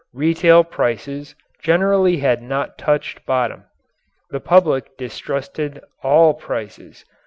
Retail prices generally had not touched bottom. The public distrusted all prices.